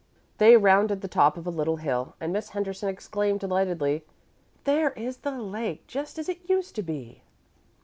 They rounded the top of a little hill, and Miss Henderson exclaimed delightedly, "There is the lake, just as it used to be!"